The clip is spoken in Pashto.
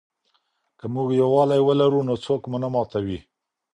که موږ یووالي ولرو نو څوک مو نه ماتوي.